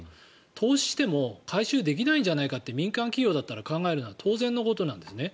投資しても回収できないんじゃないかって民間企業が考えるのは当然のことなんですね。